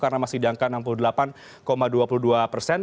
karena masih diangka enam puluh delapan dua puluh dua persen